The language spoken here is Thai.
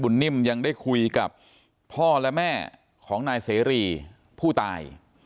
นิ่มยังได้คุยกับพ่อและแม่ของนายเสรีผู้ตาย